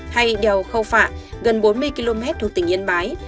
hay đèo khâu phạ gần bốn mươi km thuộc tỉnh yên bái